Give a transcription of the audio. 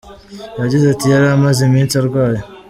Yagize ati “Yari amaze iminsi arwaye.